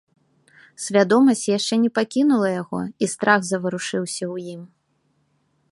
Свядомасць яшчэ не пакінула яго, і страх заварушыўся ў ім.